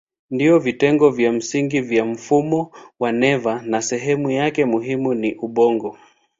Ndiyo vitengo vya msingi vya mfumo wa neva na sehemu yake muhimu ni ubongo.